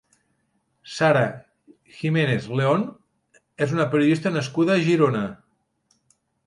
Sara Giménez León és una periodista nascuda a Girona.